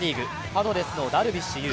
パドレスのダルビッシュ有。